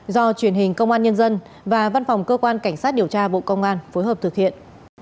do truyền hình công an nhân dân và văn phòng cơ quan cảnh sát điều tra bộ công an phối hợp thực hiện